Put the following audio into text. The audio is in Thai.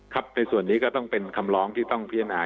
ในส่วนนี้ก็ต้องเป็นคำร้องที่ต้องพิจารณา